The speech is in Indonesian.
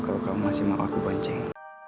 kalau kamu masih mau aku bancing